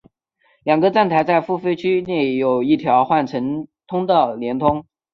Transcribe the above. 两个站台在付费区内有一条换乘通道连通。